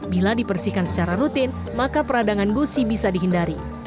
bila dipersihkan secara rutin maka peradangan gusi bisa dihindari